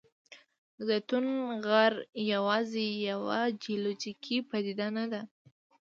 د زیتون غر یوازې یوه جیولوجیکي پدیده نه ده.